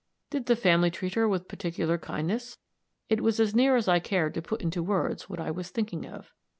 "Did the family treat her with particular kindness?" It was as near as I cared to put into words what I was thinking of.